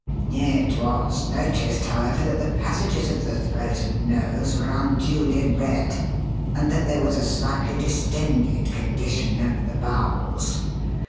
It was noticed, however, that the passages of the throat and nose were unduly red, and that there was a slightly distended condition of the bowels.